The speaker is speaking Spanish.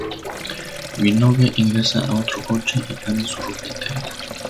Minogue ingresa a otro coche y cambia su ropa interior.